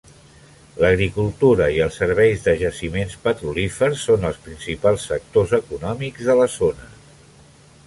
L'agricultura i els serveis de jaciments petrolífers són els principals sectors econòmics de la zona.